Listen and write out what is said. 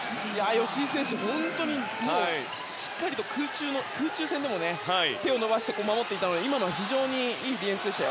吉井選手、本当にしっかりと空中戦でも手を伸ばして守っていたのでいいディフェンスでした。